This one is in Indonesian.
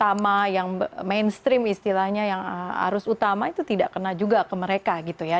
jadi makanya yang terlihat yang lebih utama yang mainstream istilahnya yang harus utama itu tidak kena juga ke mereka gitu ya